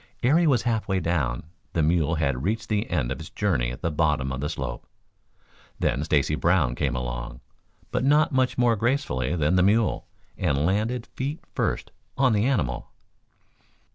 Ere he was half way down, the mule had reached the end of its journey at the bottom of the slope. Then Stacy Brown came along, but not much more gracefully than the mule, and landed feet first on the animal.